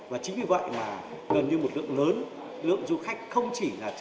và chính vì vậy mà gần như một lượng lớn lượng du khách không chỉ đi du lịch